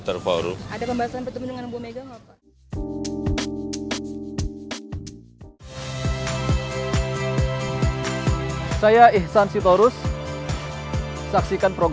terima kasih ya ada recetan bertemu dengan bomega